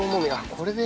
これで。